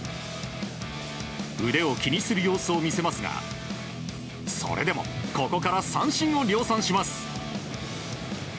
腕を気にする様子を見せますがそれでも、ここから三振を量産します。